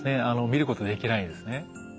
見ることできないんですね。